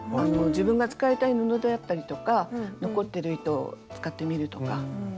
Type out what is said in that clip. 自分が使いたい布であったりとか残ってる糸使ってみるとか。